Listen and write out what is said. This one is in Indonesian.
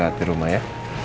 segati rumah ya